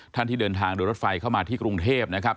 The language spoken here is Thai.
ที่เดินทางโดยรถไฟเข้ามาที่กรุงเทพนะครับ